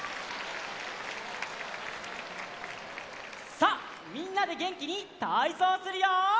さあみんなでげんきにたいそうするよ！